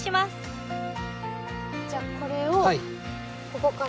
じゃこれをここから？